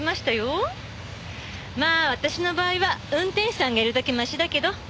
まあ私の場合は運転手さんがいるだけマシだけど。